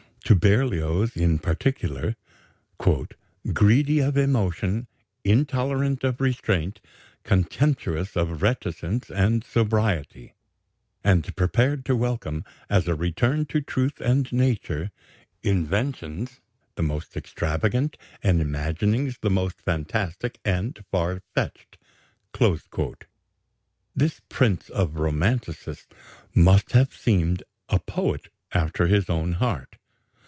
To Berlioz, in particular, "greedy of emotion, intolerant of restraint, contemptuous of reticence and sobriety, ... and prepared to welcome, as a return to truth and nature, inventions the most extravagant and imaginings the most fantastic and far fetched," this prince of romanticists must have seemed a poet after his own heart.